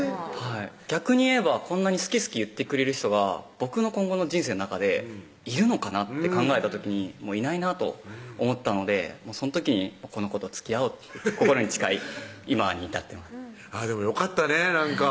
逆に言えばこんなに「好き好き」言ってくれる人が僕の今後の人生の中でいるのかなって考えた時にいないなと思ったのでその時この子と付き合おうって心に誓い今に至ってますでもよかったねなんか